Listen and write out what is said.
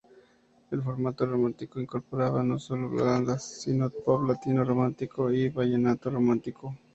El formato romántico incorporaba no sólo baladas, sino pop latino romántico y vallenato romántico.